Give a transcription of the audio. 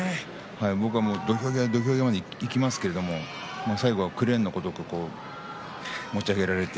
僕は土俵際に行きますけれども最後はクレーンのごとく持ち上げられて。